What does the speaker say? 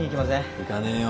行かねえよ。